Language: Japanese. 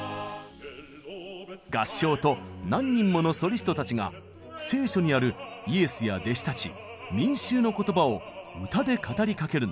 合唱と何人ものソリストたちが聖書にあるイエスや弟子たち民衆の言葉を歌で語りかけるのです。